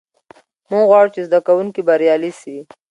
موږ غواړو چې زده کوونکي بریالي سي.